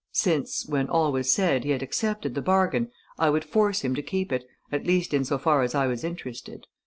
Since, when all was said, he had accepted the bargain, I would force him to keep it, at least in so far as I was interested.